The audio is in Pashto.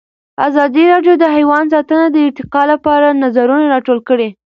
ازادي راډیو د حیوان ساتنه د ارتقا لپاره نظرونه راټول کړي.